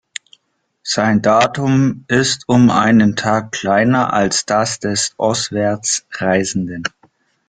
Sein Datum ist um einen Tag kleiner als das des ostwärts Reisenden.